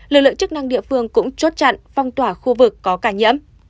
lực lượng chức năng địa phương cũng chốt chặn phong tỏa khu vực có ca nhiễm